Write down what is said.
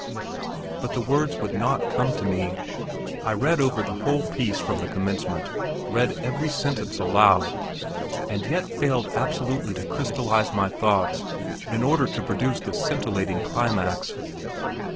But the words would not come to me. I read over the whole piece from the commencement; read every sentence aloud, and yet failed absolutely to crystallize my thoughts, in order to produce this scintillating climax.